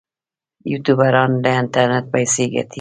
یوټیوبران له انټرنیټ پیسې ګټي